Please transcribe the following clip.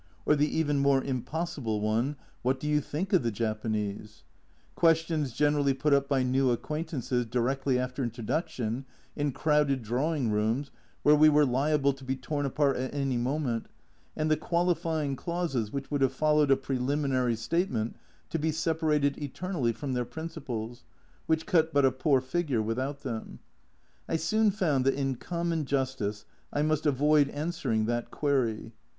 " or the even more impossible one, "What do you think of the Japanese ?" Questions generally put by new acquaintances directly after introduction, in crowded drawing rooms, where we were liable to be torn apart at any moment, and the qualifying clauses which would have followed a preliminary statement to be separated eternally from their principals, which cut but a poor figure without them. I soon found that in common justice I must avoid answering that query.